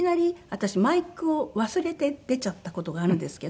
私マイクを忘れて出ちゃった事があるんですけど着替えていて。